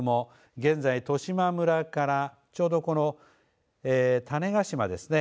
現在、十島村からちょうどこの種子島ですね